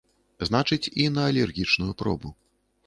Значыць, і на алергічную пробу.